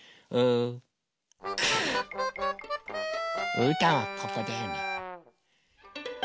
うーたんはここだよね。